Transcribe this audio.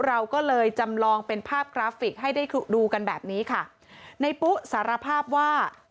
เราก็เลยจำลองเป็นภาพกราฟิกให้ได้ดูกันแบบนี้ค่ะในปุ๊สารภาพว่า